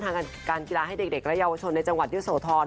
ทางการกีฬาให้เด็กและเยาวชนในจังหวัดเยอะโสธร